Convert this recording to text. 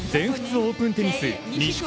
オープンテニス錦織